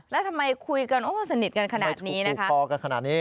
แล้วทำไมคุยกันโอ๊ยสนิทกันขนาดนี้นะคะ